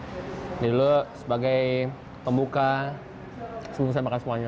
jadi dulu sebagai pembuka sebelum saya makan semuanya